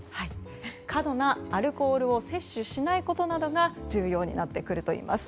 過度のアルコールを摂取しないことが重要になってくるといいます。